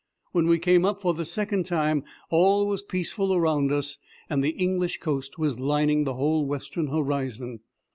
When we came up for the second time, all was peaceful around us, and the English coast was lining the whole western horizon.